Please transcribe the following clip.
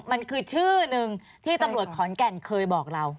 มันคือชื่อหนึ่งที่ตำรวจขอนแก่นเคยบอกเรา